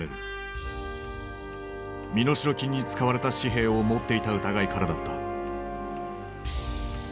身代金に使われた紙幣を持っていた疑いからだった。